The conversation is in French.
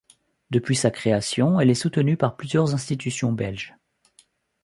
Depuis sa création, elle est soutenue par plusieurs institutions belges.